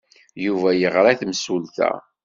Yuba yeɣra i temsulta.